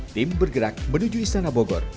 tim bergerak menuju istana bogor